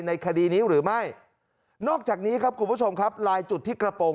คดีนี้หรือไม่นอกจากนี้ครับคุณผู้ชมครับลายจุดที่กระโปรง